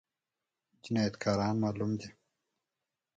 جنايتکاران معلوم دي؟